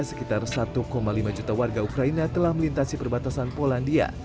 sekitar satu lima juta warga ukraina telah melintasi perbatasan polandia